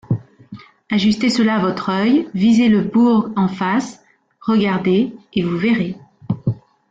Ajustez cela à votre œil, visez le burg en face, regardez, et vous verrez.